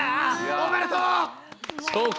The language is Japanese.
おめでとう！